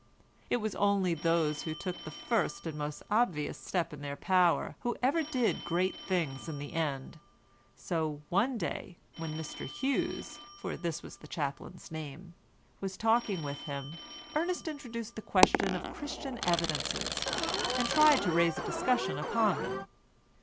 It was only those who took the first and most obvious step in their power who ever did great things in the end, so one day, when Mr Hughes—for this was the chaplain's name—was talking with him, Ernest introduced the question of Christian evidences, and tried to raise a discussion upon them.